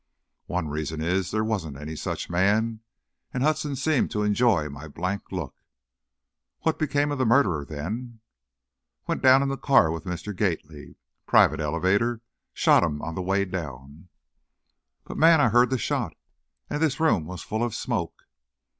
"One reason is, there wasn't any such man," and Hudson seemed to enjoy my blank look. "What became of the murderer, then?" "Went down in the car with Mr. Gately. Private elevator. Shot him on the way down " "But man, I heard the shot, and this room was full of smoke."